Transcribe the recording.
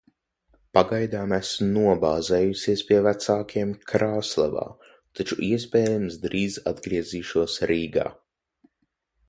Pagaidām esmu nobāzējusies pie vecākiem, Krāslavā, taču, iespējams, drīz atgriezīšos Rīgā.